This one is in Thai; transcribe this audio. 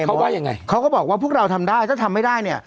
เขาว่ายังไงเขาก็บอกว่าพวกเราทำได้ถ้าทำไม่ได้เนี่ย